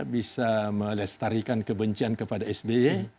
bisa melestarikan kebencian kepada sby